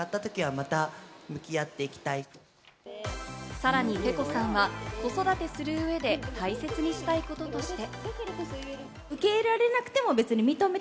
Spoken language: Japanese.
さらにｐｅｋｏさんは、子育てする上で大切にしたいこととして。